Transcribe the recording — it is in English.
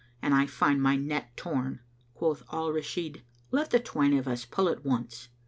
An I find my net torn." Quoth Al Rashid, "Let the twain of us pull at once."